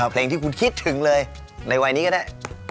เพลงที่คุณคิดถึงเลยในวัยนี้ก็ได้